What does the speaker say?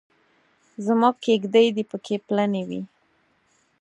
زموږ کېږدۍ دې پکې پلنې وي.